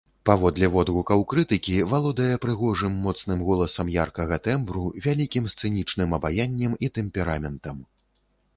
Паводле водгукаў крытыкі, валодае прыгожым моцным голасам яркага тэмбру, вялікім сцэнічным абаяннем і тэмпераментам.